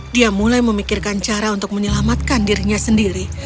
dia mulai memikirkan cara untuk menyelamatkan dirinya sendiri